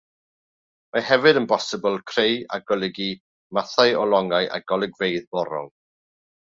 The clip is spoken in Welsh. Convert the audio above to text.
Mae hefyd yn bosibl creu a golygu mathau o longau a golygfeydd morol.